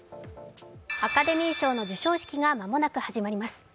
アカデミー賞の授賞式が間もなく始まります。